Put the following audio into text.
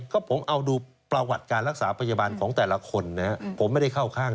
ก็ผมเอาดูประวัติการรักษาพยาบาลของแต่ละคนนะครับผมไม่ได้เข้าข้าง